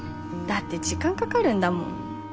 だって時間かかるんだもん。